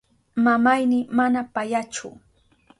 Mamayni mana payachu.